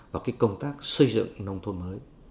và công tác xây dựng nông thuân mới